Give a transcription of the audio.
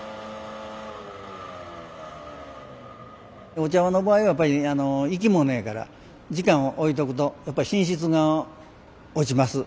お茶の場合はやっぱり生き物やから時間をおいとくとやっぱり品質が落ちます。